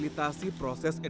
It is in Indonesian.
bumk kampung sampah blank room